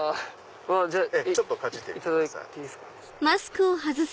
ちょっとかじってみてください。